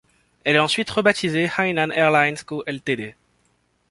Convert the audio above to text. Elle est ensuite rebaptisée Hainan Airlines Co Ltd.